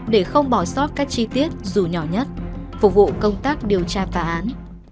để không bỏ sót các chi tiết dù nhỏ nhất phục vụ công tác điều tra phá án